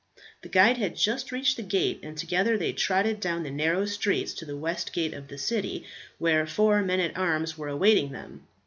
The guide had just reached the gate, and together they trotted down the narrow streets to the west gate of the city, where four men at arms were awaiting them.